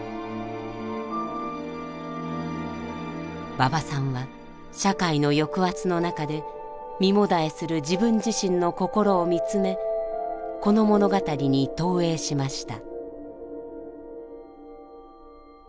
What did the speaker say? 馬場さんは社会の抑圧の中で身もだえする自分自身の心を見つめこの物語に投影しました。